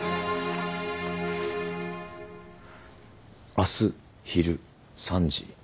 「明日」「昼」「三時」